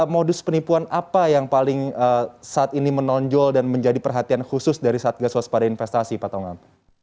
modus penipuan apa yang paling saat ini menonjol dan menjadi perhatian khusus dari satgas waspada investasi pak tongam